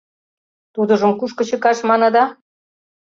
Тудыжым кушко чыкаш, маныда?